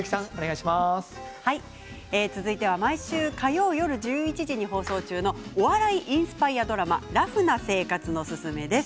続いては毎週火曜夜１１時に放送中のお笑いインスパイアドラマ「ラフな生活のススメ」です。